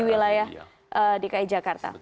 di wilayah dki jakarta